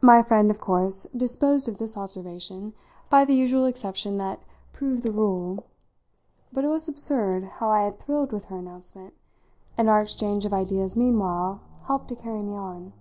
My friend of course disposed of this observation by the usual exception that "proved the rule"; but it was absurd how I had thrilled with her announcement, and our exchange of ideas meanwhile helped to carry me on.